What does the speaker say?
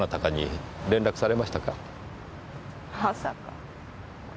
まさか。